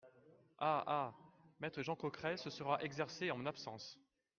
Ah ! ah ! maître Jean Coqueret se sera exercé en mon absence.